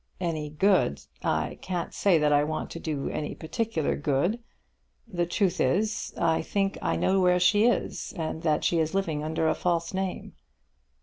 "Any good! I can't say that I want to do any particular good. The truth is, I think I know where she is, and that she is living under a false name."